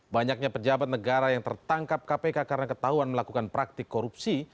banyaknya pejabat negara yang tertangkap kpk karena ketahuan melakukan praktik korupsi